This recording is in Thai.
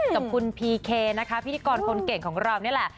กับคุณพีเคนะคะพิธีกรคนเก่งของเรานี่แหละ